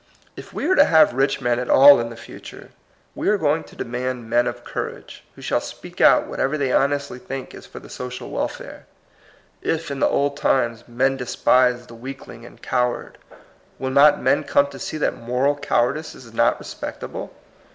If we are to have rich men at all in the future, we are going to demand men of courage, who shall speak out whatever they honestly think is for the social welfare. If, in the old times, men despised the weakling and coward, will not men come to see that moral cowardice is not respectable